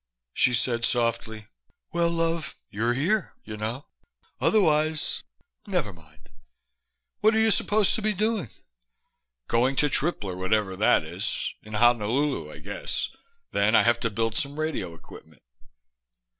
She said softly, "Well, love, you're here, you know. Otherwise never mind. What are you supposed to be doing?" "Going to Tripler, whatever that is. In Honolulu, I guess. Then I have to build some radio equipment."